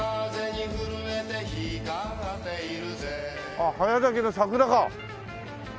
あっ早咲きの桜か。